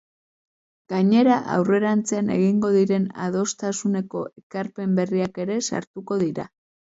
Gainera, aurrerantzean egingo diren adostasuneko ekarpen berriak ere sartuko dira.